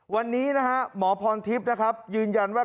วันนี้หมอพรทิพย์ยืนยันว่า